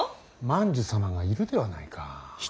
万寿様がいるではないか。